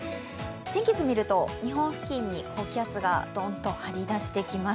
天気図を見ると日本付近に高気圧がドンと張り出してきます。